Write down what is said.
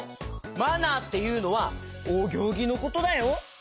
マナーっていうのはおぎょうぎのことだよ。